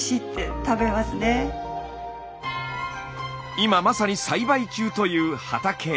今まさに栽培中という畑へ。